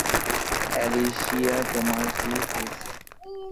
Alicia, তোমার কি হয়েছে?